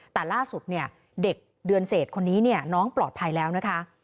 แต่ล่าสุดเนี่ยเด็กเดือนเศษคนนี้น้องปลอดภัยแล้วนะคะ